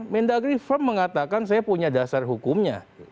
mendagri firm mengatakan saya punya dasar hukumnya